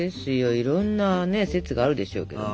いろんなね説があるでしょうけども。